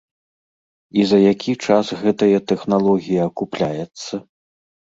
І за які час гэтая тэхналогія акупляецца?